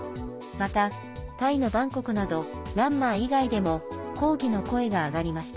また、タイのバンコクなどミャンマー以外でも抗議の声が上がりました。